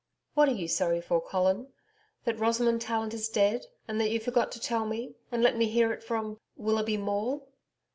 'What are you sorry for, Colin that Rosamond Tallant is dead, and that you forgot to tell me, and let me hear it from Willoughby Maule?'